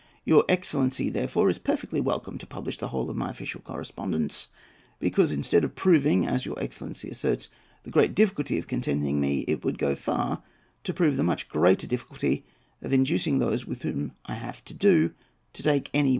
Your excellency, therefore, is perfectly welcome to publish the whole of my official correspondence, because instead of proving, as your excellency asserts, the great difficulty of contenting me, it would go far to prove the much greater difficulty of inducing those with whom I have to do to take any one step for that purpose.